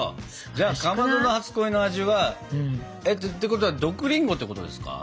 じゃあかまどの初恋の味はてことは毒りんごってことですか？